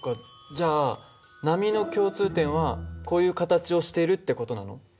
じゃあ波の共通点はこういう形をしてるって事なの？